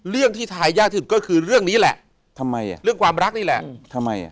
เรื่องที่ถ่ายยากที่สุดก็คือเรื่องนี้แหละเรื่องความรักนี่แหละ